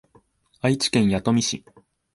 愛知県弥富市